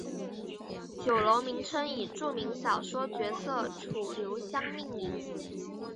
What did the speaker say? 酒楼名称以著名小说角色楚留香命名。